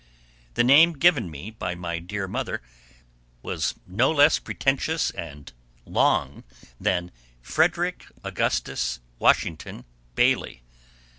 The name given me by my dear mother was no less pretentious and long than Frederick Augustus Washington Bailey.